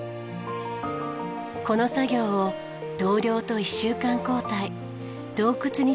この作業を同僚と１週間交代洞窟に泊まって行います。